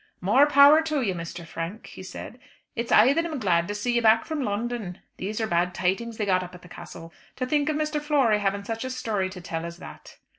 "More power to you, Mr. Frank," he said, "it's I that am glad to see you back from London. These are bad tidings they got up at the Castle. To think of Mr. Flory having such a story to tell as that."